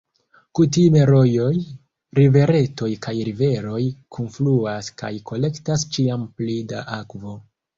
Kutime rojoj, riveretoj kaj riveroj kunfluas kaj kolektas ĉiam pli da akvo.